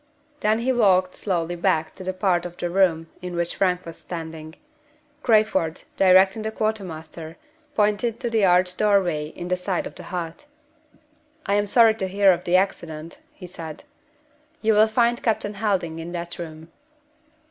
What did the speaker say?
Then he walked slowly back to the part of the room in which Frank was standing. Crayford, directing the quartermaster, pointed to the arched door way in the side of the hut. "I am sorry to hear of the accident," he said. "You will find Captain Helding in that room."